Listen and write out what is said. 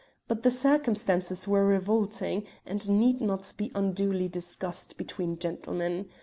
But the circumstances were revolting, and need not be unduly discussed between gentlemen.